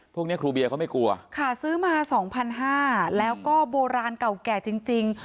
พวกนี้ครูเบียเขาไม่กลัวค่ะซื้อมาสองพันห้าแล้วก็โบราณเก่าแก่จริง